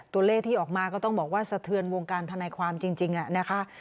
ตัวเลขที่ออกมาก็ต้องบอกว่าสะเทือนวงการทนายความจริงนะคะ